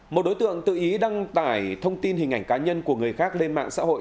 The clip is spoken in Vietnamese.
một đối tượng tự ý đăng tải thông tin hình ảnh cá nhân của người khác lên mạng xã hội